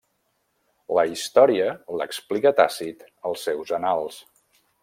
La història l'explica Tàcit als seus Annals.